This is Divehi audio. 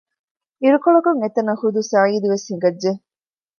އިރުކޮޅަކުން އެތަނަށް ޚުދު ސަޢީދު ވެސް ހިނގައްޖެ